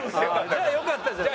じゃあよかったじゃない。